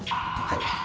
はい。